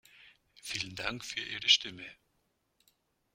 Vielen Dank für Ihre Stimme.